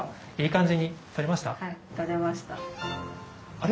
あれ？